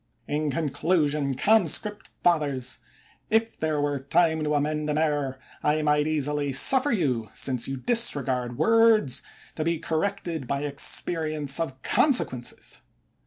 In conclusion, conscript fathers, if there were time to amend an error, I might easily suffer you, since you disregard words, to be corrected by experience of consequences.